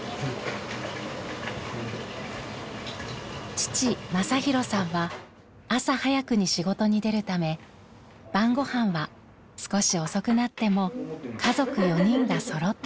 父政宏さんは朝早くに仕事に出るため晩ご飯は少し遅くなっても家族４人がそろってから。